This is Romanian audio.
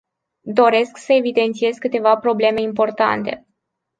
Doresc să evidențiez câteva probleme importante.